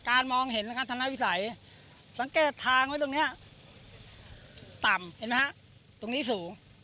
มองเห็นนะครับธนวิสัยสังเกตทางไว้ตรงนี้ต่ำเห็นไหมฮะตรงนี้สูง